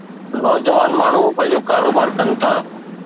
نوجوان ماڻهو پنهنجو ڪاروبار ڪن ٿا